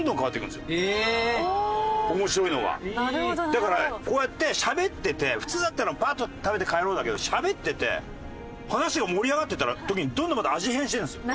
だからこうやってしゃべってて普通だったらパッと食べて帰ろうだけどしゃべってて話が盛り上がってた時にどんどんまた味変してるんですよ。